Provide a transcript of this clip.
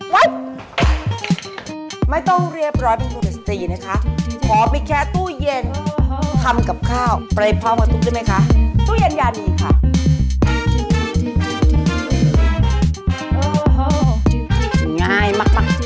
ว่าโปรดใช้วิจารณญาณในการรับชิม